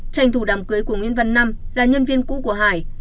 tranh thủ đàm cưới của nguyễn văn năm là nhân viên cũ của hải